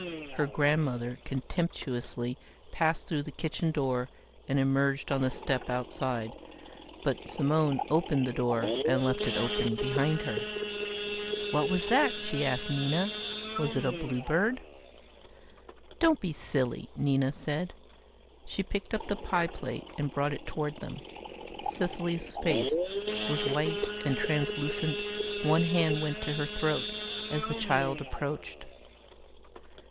Her grandmother contemptuously passed through the kitchen door and emerged on the step outside, but Simone opened the door and left it open behind her. "What was that?" she asked Nina. "Was it a bluebird?" "Don't be silly," Nina said. She picked up the pie plate and brought it toward them. Cecily's face was white and translucent, one hand went to her throat as the child approached.